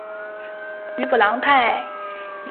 吕普朗泰。